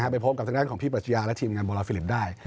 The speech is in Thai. ไปพบกับทางด้านของพี่ปรัชญาและทีมงานโบราณฟิลิมได้